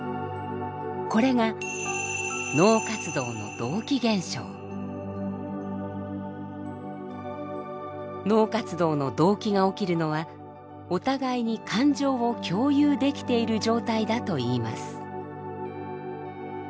これが脳活動の同期が起きるのはお互いに感情を共有できている状態だといいます。